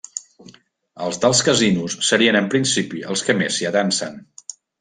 Els dels casinos serien en principi els que més s'hi atansen.